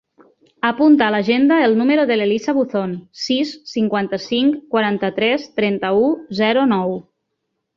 Apunta a l'agenda el número de l'Elisa Buzon: sis, cinquanta-cinc, quaranta-tres, trenta-u, zero, nou.